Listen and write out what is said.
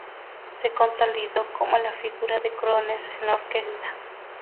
Se consolidó como la figura de crooner en la orquesta.